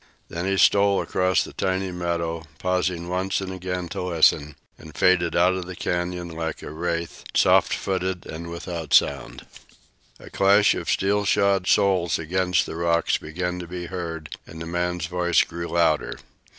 Then he stole across the tiny meadow, pausing once and again to listen, and faded away out of the canyon like a wraith, soft footed and without sound. The clash of steel shod soles against the rocks began to be heard, and the man's voice grew louder.